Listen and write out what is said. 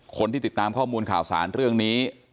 คนที่ติดตามข้อมูลข่าวสารเรื่องนี้